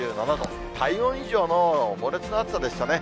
体温以上の猛烈な暑さでしたね。